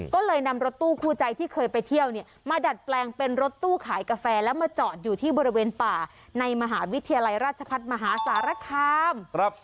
ก็เลยนำรถตู้คู่ใจที่เคยไปเที่ยวเนี่ยมาดัดแปลงเป็นรถตู้ขายกาแฟแล้วมาจอดอยู่ที่บริเวณป่าในมหาวิทยาลัยราชพัฒน์มหาสารคาม